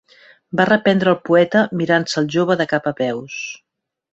Va reprendre el poeta, mirant-se al jove de cap a peus